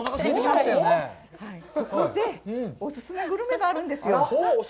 そこでお勧めグルメがあるんですよ。